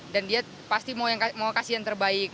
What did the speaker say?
dan dia pasti mau kasih yang terbaik